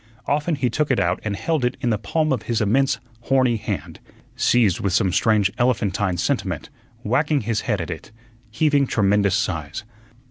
Often he took it out and held it in the palm of his immense, horny hand, seized with some strange elephantine sentiment, wagging his head at it, heaving tremendous sighs.